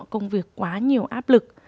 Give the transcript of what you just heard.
công việc quá nhiều áp lực